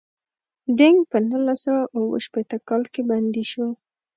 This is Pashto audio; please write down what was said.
دینګ په نولس سوه اووه شپیته کال کې بندي شو.